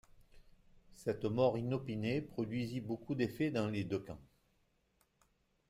Cette mort inopinée produisit beaucoup d'effet dans les deux camps.